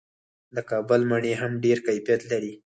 د کابل مڼې هم ډیر کیفیت لري.